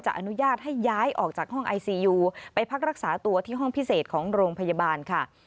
อนุญาตให้ย้ายออกจากห้องไอซียูไปพักรักษาตัวที่ห้องพิเศษของโรงพยาบาลค่ะ